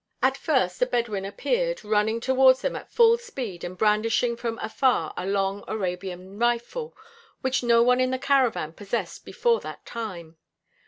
At first a Bedouin appeared, running towards them at full speed and brandishing from afar a long Arabian rifle which no one in the caravan possessed before that time.